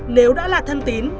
nếu đã là thân tín